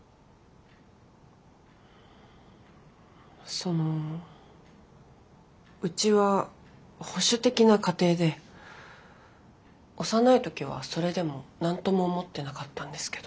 そのうちは保守的な家庭で幼い時はそれでも何とも思ってなかったんですけど。